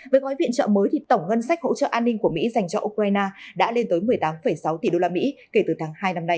với gói viện trợ mới tổng ngân sách hỗ trợ an ninh của mỹ dành cho ukraine đã lên tới một mươi tám sáu tỷ usd kể từ tháng hai năm nay